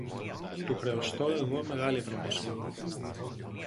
Του χρεωστώ εγώ μεγάλη ευγνωμοσύνη